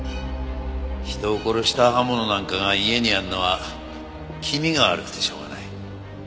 人を殺した刃物なんかが家にあるのは気味が悪くてしょうがない。